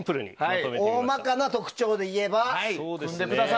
大まかな特徴でいえばと。